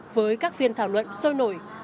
với các phiên thảo luận sôi nổi